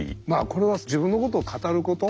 これは自分のことを語ること。